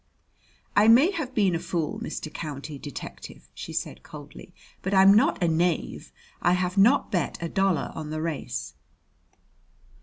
"I may have been a fool, Mr. County Detective," she said coldly; "but I'm not a knave. I have not bet a dollar on the race."